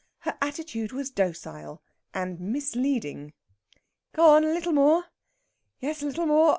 Her attitude was docile and misleading. "Go on a little more yes, a little more....